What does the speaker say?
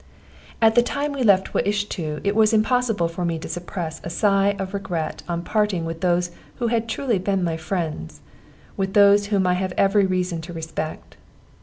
At the time we left Wiishto, it was impossible for me to suppress a sigh of regret on parting with those who had truly been my friends with those whom I had every reason to respect.